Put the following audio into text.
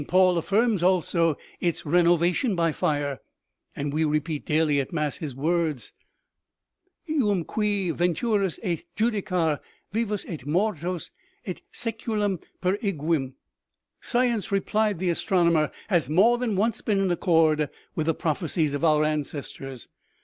Paul affirms also its renovation by fire, and we repeat daily at mass his words :' Bum qui venturus est judicare vivos et mortuos et sseculum per ignem.' "" Science," replied the astronomer, u has more than once been in accord with the prophecies of our ancestors.